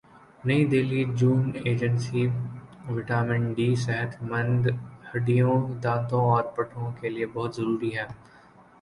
نئی دہلی جون agency vitamin D صحت مند ہڈیوں دانتوں اور پٹھوں کے لئے بہت ضروری ہے